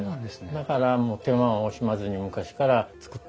だから手間を惜しまずに昔から作ったんですね。